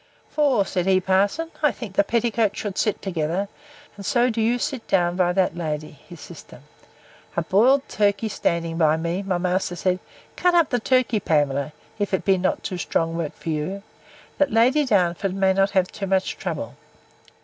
For, said he, parson, I think the petticoats should sit together; and so do you sit down by that lady (his sister). A boiled turkey standing by me, my master said, Cut up that turkey, Pamela, if it be not too strong work for you, that Lady Darnford may not have too much trouble.